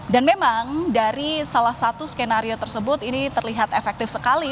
dan memang dari salah satu skenario tersebut ini terlihat efektif sekali